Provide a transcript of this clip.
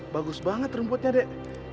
bagus banget rumputnya dek